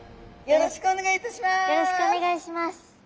よろしくお願いします。